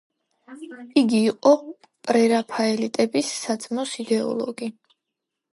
იგი იყო პრერაფაელიტების საძმოს იდეოლოგი.